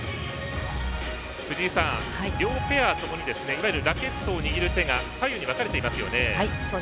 両ペアともにいわゆるラケットを握る手が左右に分かれていますよね。